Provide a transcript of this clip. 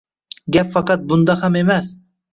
Gap faqat bunda ham emas.